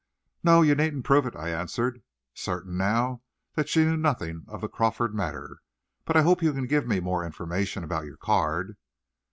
"No, you needn't prove it," I answered, certain now that she knew nothing of the Crawford matter; "but I hope you can give me more information about your card."